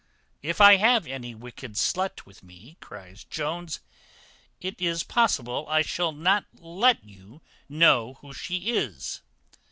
"If I have any wicked slut with me," cries Jones, "it is possible I shall not let you know who she is."